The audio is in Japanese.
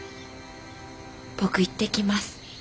「僕行ってきます。